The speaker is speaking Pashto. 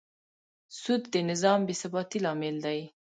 سود د نظام بېثباتي لامل دی.